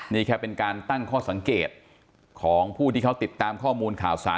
นี่แค่เป็นการตั้งข้อสังเกตของผู้ที่เขาติดตามข้อมูลข่าวสาร